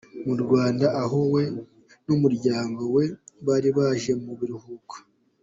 mu Rwanda aho we n'umuryango we bari baje mu biruhuko.